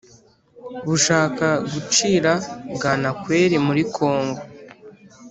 bushaka gucira bwanakweri muri congo.